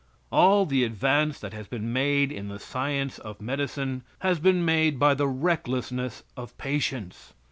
All the advance that has been made in the science of medicine, has been made by the recklessness of patients.